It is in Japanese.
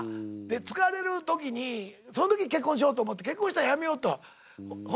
疲れる時にそん時に結婚しようと思って結婚したら辞めようとホントに思ったんで。